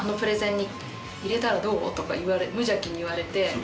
無邪気に言われて。